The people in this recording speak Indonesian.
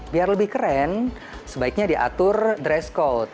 biar lebih keren sebaiknya diatur dress code